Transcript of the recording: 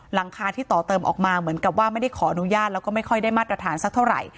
หลังคาที่ต่อเติมออกมาเหมือนกับว่าไม่ได้ขออนุญาตแล้วก็ไม่ค่อยได้มาตรฐานสักเท่าไหร่